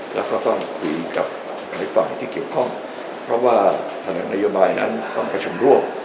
แล้วก็ต้องคุยกับหลายฝ่ายที่เกี่ยวข้องเพราะว่าแถลงนโยบายนั้นต้องประชุมร่วม